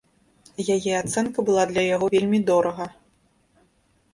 Яе ацэнка была для яго вельмі дорага.